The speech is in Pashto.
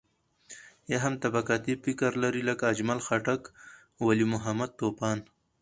يا هم طبقاتي فکر لري لکه اجمل خټک، ولي محمد طوفان.